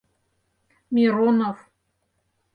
Миронов.